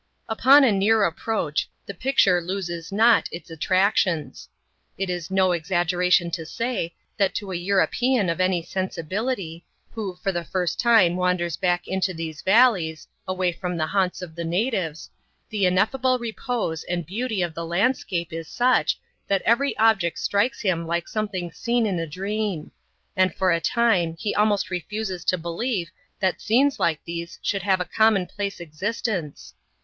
Upon a near approach, the picture loses not its attractions. It is no exaggeration to say, that to a European of any sensi bility, who for the first time wanders back into these valleys — away from the haunts of the natives — the ineffable repose and beauty of the landscape is such, that every object strikes him like something seen in a dream ; and for a time he almost refuses to believe that scenes like these should have a commonplace existence.